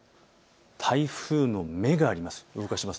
台風の目があります。